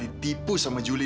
dia punya kerja apa